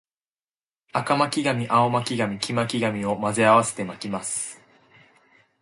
赤巻紙、青巻紙、黄巻紙を混ぜ合わせて巻きます